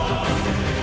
aku akan menang